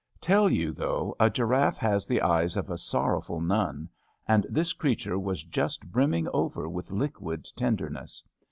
Tell yon, though, a giraffe has the eyes of a sor rowful nun, and this creature was just brimming over with liquid tenderness.